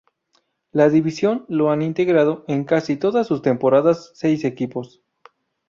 La división la han integrado en casi todas sus temporadas seis equipos.